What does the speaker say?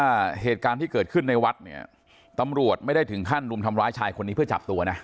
เหตุการณ์ที่เกิดขึ้นในวัดเนี่ยตำรวจไม่ได้ถึงขั้นรุมทำร้ายชายคนนี้เพื่อจับตัวนะ